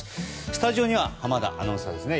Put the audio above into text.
スタジオには濱田アナウンサーですね。